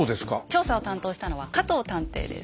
調査を担当したのは加藤探偵です。